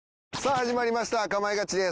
始まりました『かまいガチ』です。